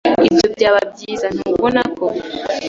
Ibyo byaba byiza, ntubona ko?